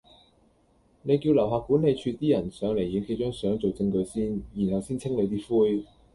你叫樓下管理處啲人上嚟影幾張相做証據先，然後先清理啲灰